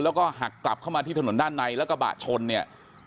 แล้วหักกลับมาที่ถนนด้านในและขับบาสชนเนี่ย